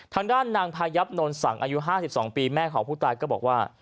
ทางด้านนางพายับนนท์สั่งอายุห้าสิบสองปีแม่ของพวกตายก็บอกว่า